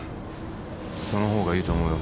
そのほうがいいと思うよ。